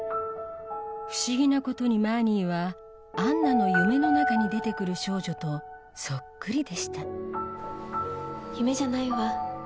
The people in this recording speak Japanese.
不思議なことにマーニーは杏奈の夢の中に出て来る少女とそっくりでした夢じゃないわ。